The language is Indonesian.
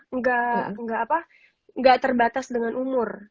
enggak terbatas dengan umur